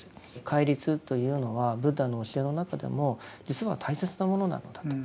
戒律というのはブッダの教えの中でも実は大切なものなのだと。